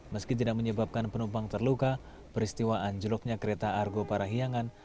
meski tidak menyebabkan penumpang terluka peristiwa anjloknya kereta argo parahiangan